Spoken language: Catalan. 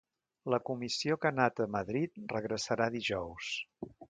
La comissió que ha anat a Madrid regressarà dijous.